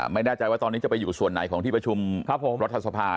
ไม่แน่ใจว่าตอนนี้จะไปอยู่ส่วนไหนของที่ประชุมรัฐสภา